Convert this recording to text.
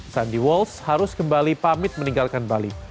sandi walsh harus kembali pamit meninggalkan bali